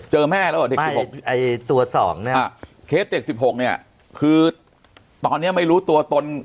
แม่แล้วเหรอเด็ก๑๖ตัว๒เนี่ยเคสเด็ก๑๖เนี่ยคือตอนนี้ไม่รู้ตัวตน